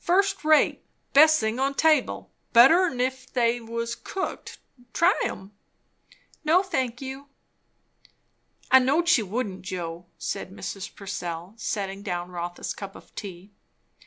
First rate best thing on table. Better 'n if they was cooked. Try 'em?" "No, thank you." "I knowed she wouldn't, Joe," said Mrs. Purcell, setting down Rotha's cup of tea.